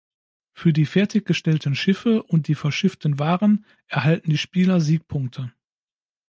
Für die fertiggestellten Schiffe und die verschifften Waren erhalten die Spieler Siegpunkte.